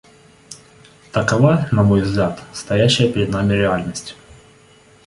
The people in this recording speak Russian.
Такова, на мой взгляд, стоящая перед нами реальность.